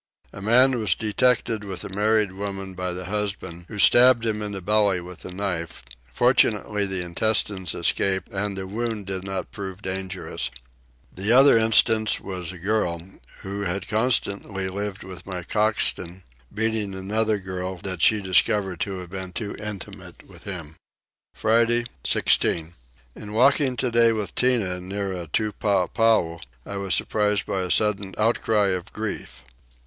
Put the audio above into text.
A man was detected with a married woman by the husband, who stabbed him in the belly with a knife: fortunately the intestines escaped and the wound did not prove dangerous. The other instance was a girl, who had constantly lived with my coxswain, beating another girl that she discovered to have been too intimate with him. Friday 16. In walking today with Tinah near a tupapow I was surprised by a sudden outcry of grief.